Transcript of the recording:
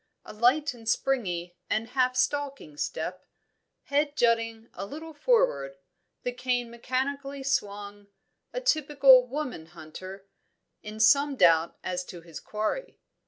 A light and springy and half stalking step; head jutting a little forward; the cane mechanically swung a typical woman hunter, in some doubt as to his quarry.